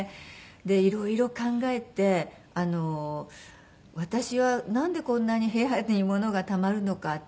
で色々考えて私はなんでこんなに部屋にものがたまるのかって。